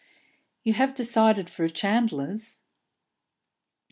"You have decided for a chandler's?"